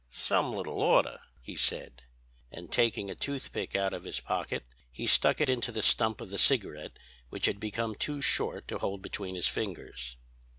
"'Some little order,' he said. And taking a toothpick out of his pocket he stuck it into the stump of the cigarette which had become too short to hold between his fingers.